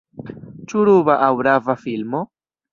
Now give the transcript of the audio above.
Ĉu ruba aŭ rava filmo?